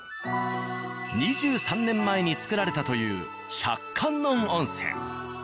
２３年前につくられたという百観音温泉。